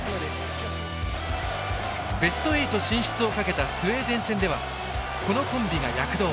ベスト８進出をかけたスウェーデン戦ではこのコンビが躍動。